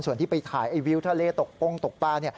ส่วนที่ไปถ่ายไอวิวทะเลตกปงตกปลา